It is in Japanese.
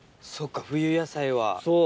そうか冬野菜は。